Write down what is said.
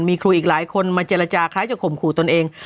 มีครูอีกหลายคนมาเจรจาคล้ายจะข่มขู่ตนเอง